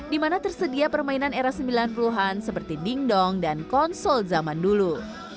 di mana tersedia permainan era sembilan puluh an seperti dingdong dan konsol zaman dulu